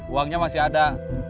uangnya masih ada